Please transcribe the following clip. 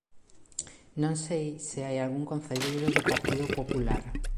Non sei se hai algún concelleiro do Partido Popular.